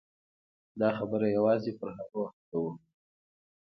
دا خبره یوازې په هغه وخت کوو.